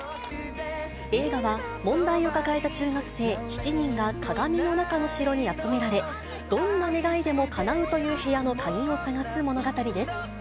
映画は、問題を抱えた中学生７人が鏡の中の城に集められ、どんな願いでもかなうという部屋の鍵を探す物語です。